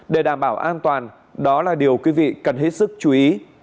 để đảm bảo an toàn đó là điều quý vị cần hết sức chú ý